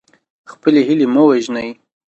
خپلې هیلې مه وژنئ.